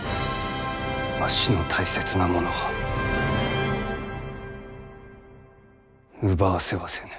わしの大切なものを奪わせはせぬ。